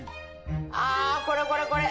あこれこれこれ！